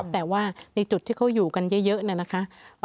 แต่ว่าในจุดที่เขาอยู่กันเยอะเนี่ยนะคะ